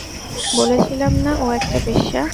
বলেছিলাম না, ও একটা বেশ্যা!